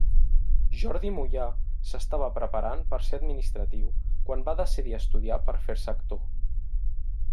Jordi Mollà s'estava preparant per ser administratiu quan va decidir estudiar per fer-se actor.